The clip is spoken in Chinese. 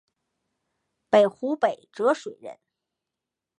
湖北蕲水人。